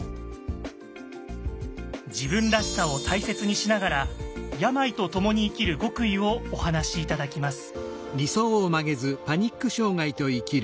自分らしさを大切にしながら病と共に生きる極意をお話し頂きます。